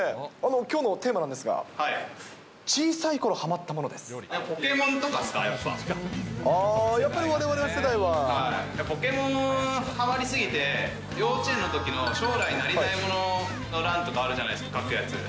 きょうのテーマなんですが、ポケモンとかですかね、ああ、やっぱりわれわれの世ポケモンはまり過ぎて、幼稚園のときの将来なりたいものの蘭とかあるじゃないですか、書くやつ。